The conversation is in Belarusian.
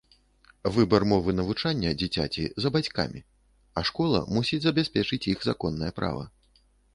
Выбар мовы навучання дзіцяці за бацькамі, а школа мусіць забяспечыць іх законнае права.